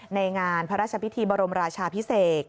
ในงานพระราชพิธีบรมราชาพิเศษ